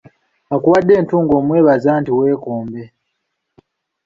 Akuwadde entungo omwebaza nti weekombe.